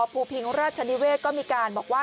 ภูพิงราชนิเวศก็มีการบอกว่า